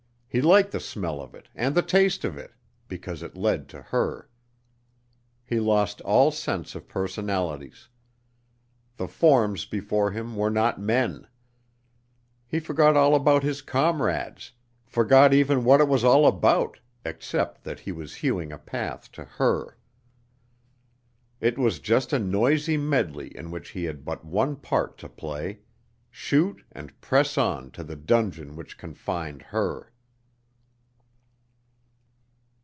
He liked the smell of it and the taste of it, because it led to her. He lost all sense of personalities. The forms before him were not men. He forgot all about his comrades; forgot even what it was all about, except that he was hewing a path to her. It was just a noisy medley in which he had but one part to play, shoot and press on to the dungeon which confined her.